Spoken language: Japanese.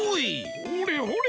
ほれほれ